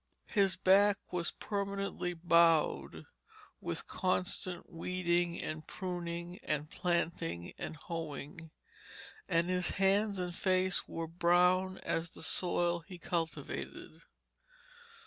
His back was permanently bowed with constant weeding and pruning and planting and hoeing, and his hands and face were brown as the soil he cultivated.